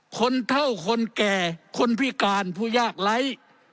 คนเท่าคนแก่คนพิการผู้ยากไร้